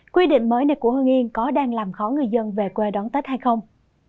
quy định mới này của hương yên có đang làm khó người dân về quê đón tết hay không